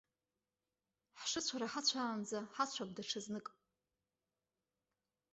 Ҳшыцәара ҳацәаанӡа ҳацәап даҽазнык!